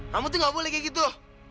kamu tuh gak boleh kayak gitu